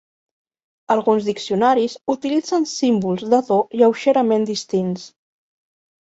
Alguns diccionaris utilitzen símbols de to lleugerament distints.